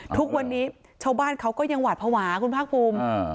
ทุกวันนี้ชาวบ้านเขาก็ยังหวาดภาวะคุณภาคภูมิ